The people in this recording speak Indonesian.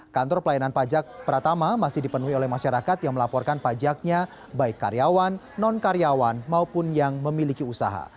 kantor pelayanan pajak pratama masih dipenuhi oleh masyarakat yang melaporkan pajaknya baik karyawan non karyawan maupun yang memiliki usaha